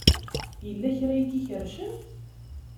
Yella kra ay k-ikerrcen.